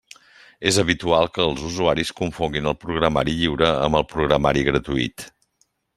És habitual que els usuaris confonguin el programari lliure amb el programari gratuït.